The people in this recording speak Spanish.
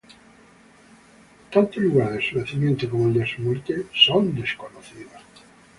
Tanto el lugar de su nacimiento como el de su muerte son desconocidos.